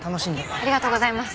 ありがとうございます。